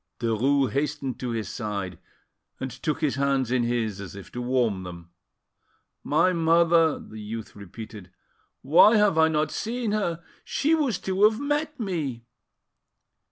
Derues hastened to his side and took his hands in his, as if to warm them. "My mother!" the youth repeated. "Why have I not seen her? She was to have met me."